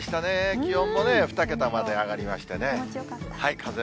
気温もね、２桁まで上がりましてね。